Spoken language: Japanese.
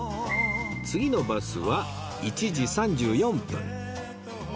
次のバスは１時３４分